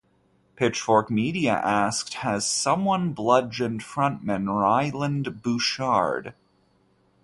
Pitchforkmedia asked "Has someone bludgeoned frontman Ryland Bouchard?".